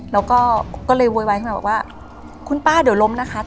แล้วก็ก็เลยโวยวายขึ้นมาบอกว่าคุณป้าเดี๋ยวล้มนะคะ